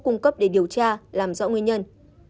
cung cấp để điều tra làm rõ nguyên nhân